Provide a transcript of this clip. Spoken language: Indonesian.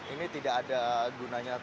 ini tidak ada gunanya